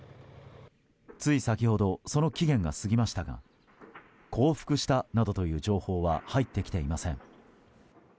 つい先ほどその期限が過ぎましたが降伏したなどという情報は入ってきていません。